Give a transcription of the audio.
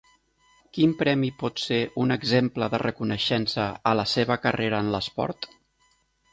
Quin premi pot ser un exemple de reconeixença a la seva carrera en l'esport?